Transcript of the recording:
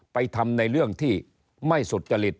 ไปทำในเรื่องที่ไม่สุจริต